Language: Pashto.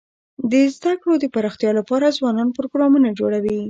د زده کړو د پراختیا لپاره ځوانان پروګرامونه جوړوي.